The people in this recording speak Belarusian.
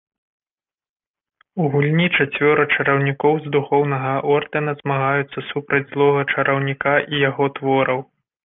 У гульні чацвёра чараўнікоў з духоўнага ордэна змагаюцца супраць злога чараўніка і яго твораў.